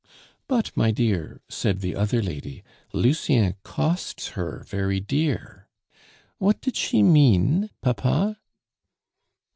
'But, my dear,' said the other lady, 'Lucien costs her very dear.' What did she mean, papa?"